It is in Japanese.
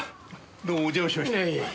どうもお邪魔しました。